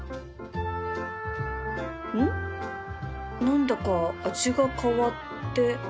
何だか味が変わって